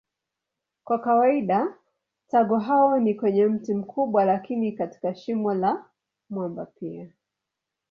Kwa kawaida tago lao ni kwenye mti mkubwa lakini katika shimo la mwamba pia.